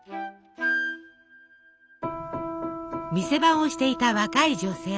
店番をしていた若い女性。